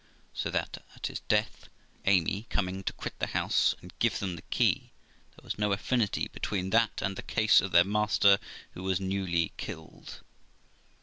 So that at his death, Amy coming to quit the house and give them the key, there was no affinity between that and the case of their master who was newly killed.